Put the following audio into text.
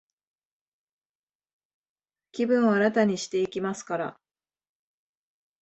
気分を新たにしていきますから、